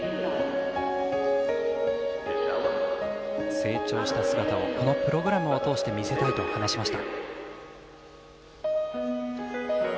成長した姿をこのプログラムを通して見せたいと話しました。